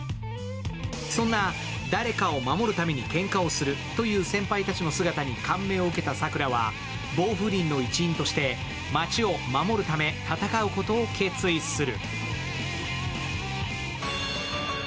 そんな、誰かを守るためにけんかをするという先輩たちの姿に感銘を受けた桜は、防風鈴の一員として街を守るため戦うこと決意する。